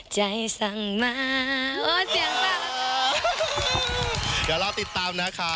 ใจสั่งมา